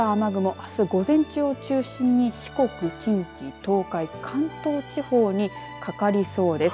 あす午前中を中心に四国、近畿、東海、関東地方にかかりそうです。